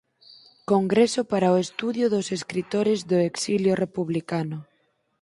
Congreso para o estudio dos escritores do exilio republicano".